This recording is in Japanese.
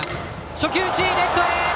初球打ち、レフトへ！